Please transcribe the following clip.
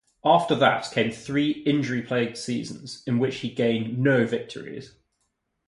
After that came three injury plagued seasons in which he gained no victories.